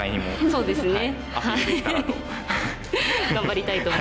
そうですよね。